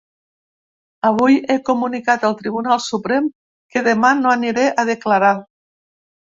Avui he comunicat al Tribunal Suprem que demà no aniré a declarar.